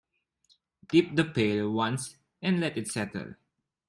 Dip the pail once and let it settle.